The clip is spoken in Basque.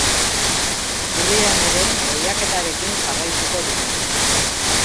Urrian ere lehiaketarekin jarraituko dugu.